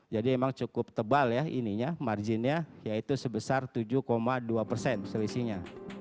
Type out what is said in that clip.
jadi emang cukup tebal ya marginnya yaitu sebesar tujuh dua persen selisihnya